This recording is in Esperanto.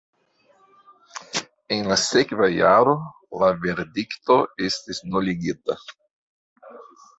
En la sekva jaro la verdikto estis nuligita.